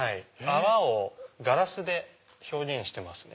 泡をガラスで表現してますね。